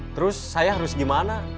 terus saya harus gimana